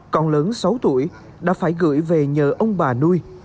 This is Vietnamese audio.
con lớn sáu tuổi đã phải gửi về nhờ ông bà nuôi